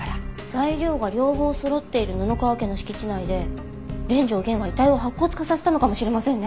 材料が両方そろっている布川家の敷地内で連城源は遺体を白骨化させたのかもしれませんね。